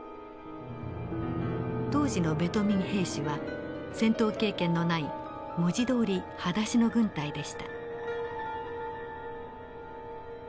当時のベトミン兵士は戦闘経験のない文字どおりはだしの軍隊でした。